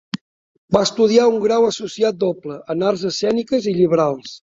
Va estudiar un grau associat doble en arts escèniques i lliberals.